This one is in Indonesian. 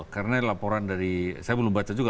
karena laporan dari saya belum baca juga